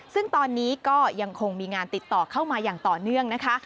ซึ่งตอนนี้ก็ยังคงมีงานติดต่อเข้ามาอย่างต่อเนื่องนะคะ